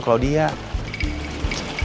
kamu udah siap